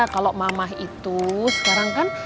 kalau mamah itu sekarang kan